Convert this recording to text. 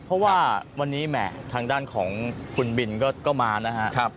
เพราะว่าวันนี้แหม่ทางด้านของคุณบินก็มานะครับ